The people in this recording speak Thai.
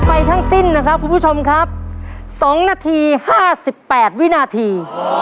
ไปทั้งสิ้นนะครับคุณผู้ชมครับสองนาทีห้าสิบแปดวินาที